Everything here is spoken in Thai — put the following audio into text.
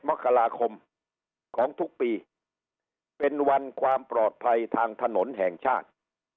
มกราคมของทุกปีเป็นวันความปลอดภัยทางถนนแห่งชาติ